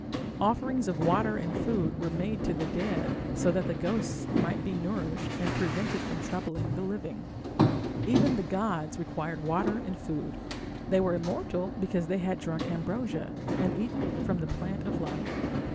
Offerings of water and food were made to the dead so that the ghosts might be nourished and prevented from troubling the living. Even the gods required water and food; they were immortal because they had drunk ambrosia and eaten from the plant of life.